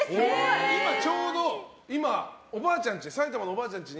今ちょうど埼玉のおばあちゃんちに。